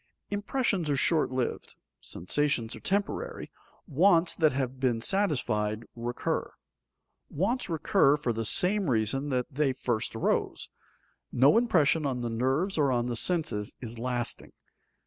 _ Impressions are short lived, sensations are temporary, wants that have been satisfied recur. Wants recur for the same reason that they first arose. No impression on the nerves or on the senses is lasting.